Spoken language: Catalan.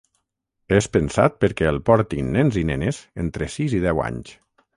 És pensat perquè el portin nens i nenes entre sis i deu anys.